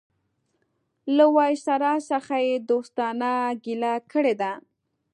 له وایسرا څخه یې دوستانه ګیله کړې ده.